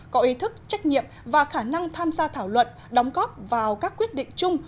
có ý thức trách nhiệm và khả năng tham gia thảo luận đóng góp vào các quyết định chung